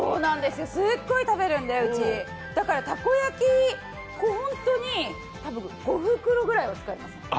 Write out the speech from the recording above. すっごい食べるんで、うちだから、たこ焼き粉、５袋ぐらい使います。